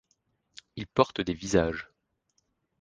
Ils portent des visages.